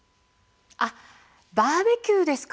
バーベキューですか。